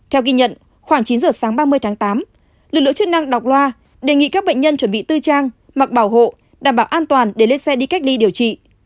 theo ghi nhận khoảng chín giờ sáng ba mươi tháng tám lực lượng chức năng đọc loa đề nghị các bệnh nhân chuẩn bị tư trang mặc bảo hộ đảm bảo an toàn để lên xe đi cách ly điều trị